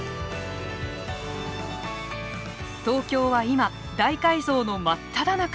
東京は今、大改造の真っただ中。